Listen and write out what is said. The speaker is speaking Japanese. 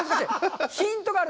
ヒントがある。